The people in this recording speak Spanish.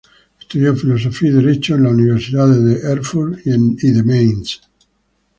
Estudió filosofía y derecho en las universidades de Erfurt y de Mainz.